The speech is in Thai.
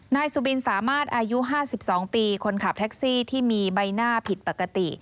นายสุบินสามารถอายุ๕๒ปีคนขับแท็กซี่ที่มีใบหน้าผิดปกติ